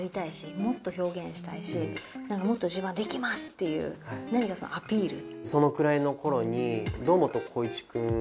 ていう何かそのアピール。